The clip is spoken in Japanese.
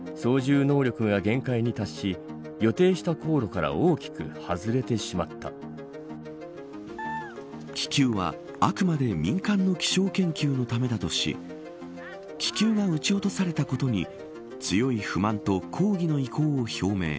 一方、中国外務省は気球は、あくまで民間の気象研究のためだとし気球が撃ち落とされたことに強い不満と抗議の意向を表明。